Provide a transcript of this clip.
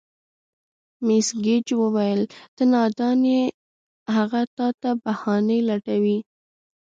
مېس ګېج وویل: ته نادان یې، هغه تا ته بهانې لټوي.